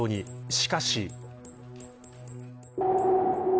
しかし。